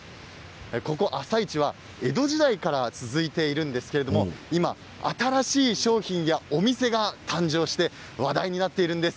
ここ朝市は江戸時代から続いているんですが今、新しい商品やお店が誕生して話題になっているんです。